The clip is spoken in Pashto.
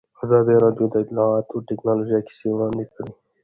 ازادي راډیو د اطلاعاتی تکنالوژي کیسې وړاندې کړي.